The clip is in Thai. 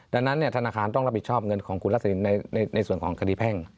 ดังนั้นธนาคารต้องรับผิดชอบเงินของคุณทักษิณในส่วนของคดีแพ่ง